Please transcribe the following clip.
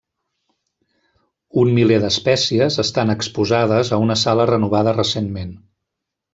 Un miler d'espècies estan exposades a una sala renovada recentment.